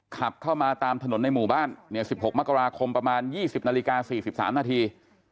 ขับเข้ามาตามถนนในหมู่บ้าน๑๖มกราคมประมาณ๒๐นาฬิกา๔๓นาที